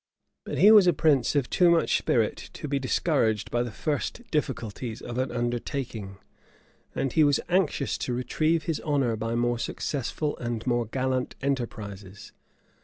But he was a prince of too much spirit to be discouraged by the first difficulties of an undertaking; and he was anxious to retrieve his honor by more successful and more gallant enterprises.